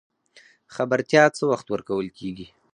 خبرتیا څه وخت ورکول کیږي؟